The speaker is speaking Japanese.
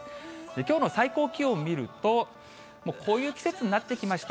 きょうの最高気温を見ると、こういう季節になってきました。